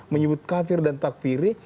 menyebut kafir dan takfiri